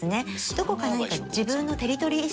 どこか何か。